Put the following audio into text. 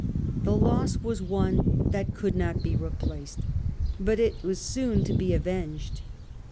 The loss was one that could not be replaced, but it was soon to be avenged.